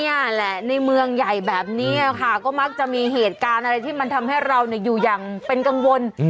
นี่แหละในเมืองใหญ่แบบนี้ค่ะก็มักจะมีเหตุการณ์อะไรที่มันทำให้เราอยู่อย่างเป็นกังวล